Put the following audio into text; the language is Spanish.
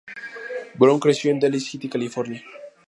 Brown creció en Daly City, California.